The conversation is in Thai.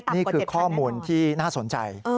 นี่คือข้อมูลที่น่าสนใจ